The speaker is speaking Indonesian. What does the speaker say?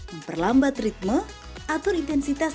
memperlambat ritme atur intensitas